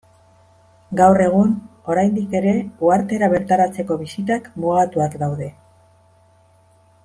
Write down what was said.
Gaur egun oraindik ere uhartera bertaratzeko bisitak mugatuak daude.